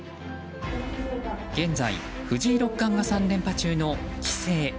現在、藤井六冠が３連覇中の棋聖。